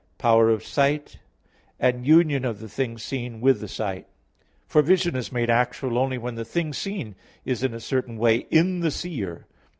power of sight, and union of the thing seen with the sight. For vision is made actual only when the thing seen is in a certain way in the seer.